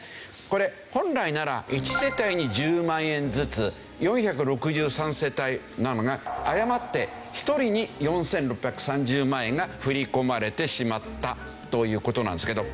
これ本来なら１世帯に１０万円ずつ４６３世帯なのが誤って１人に４６３０万円が振り込まれてしまったという事なんですけど。